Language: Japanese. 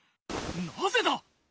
なぜだ！？